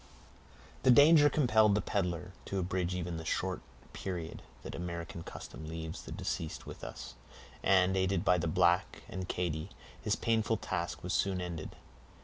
The danger compelled the peddler to abridge even the short period that American custom leaves the deceased with us; and, aided by the black and Katy, his painful task was soon ended.